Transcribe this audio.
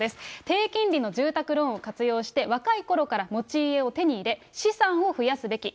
低金利の住宅ローンを活用して、若いころから持ち家を手に入れ、資産を増やすべき。